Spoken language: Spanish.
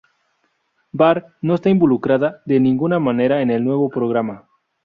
Barr no está involucrada de ninguna manera en el nuevo programa.